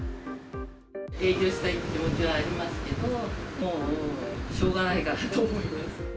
営業したい気持ちはありますけど、もう、しょうがないかなと思います。